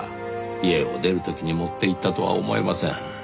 家を出る時に持っていったとは思えません。